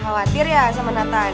khawatir ya sama nathan